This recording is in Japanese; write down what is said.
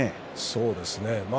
そうですね